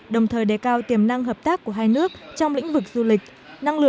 đồng thời đề cao tiềm năng hợp tác của hai nước trong lĩnh vực du lịch